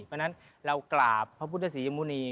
เพราะฉะนั้นเรากราบพระพุทธศรีมุณี